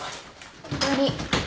おかえり。